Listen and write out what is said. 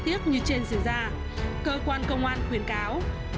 đáng tiếc như trên sửa ra cơ quan công an khuyến cáo